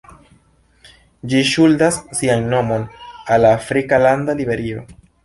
Ĝi ŝuldas sian nomon al la afrika lando Liberio.